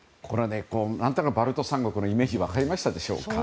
何となくバルト三国のイメージ分かりましたでしょうか。